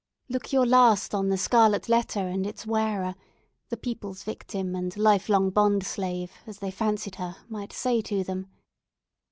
"Look your last on the scarlet letter and its wearer!"—the people's victim and lifelong bond slave, as they fancied her, might say to them.